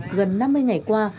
gần năm mươi ngày qua